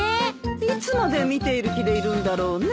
いつまで見ている気でいるんだろうね。